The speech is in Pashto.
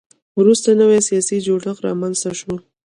وروسته نوی سیاسي جوړښت رامنځته شو.